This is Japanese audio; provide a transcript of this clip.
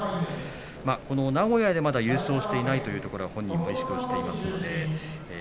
名古屋でまだ優勝していないというところ本人も意識はしています。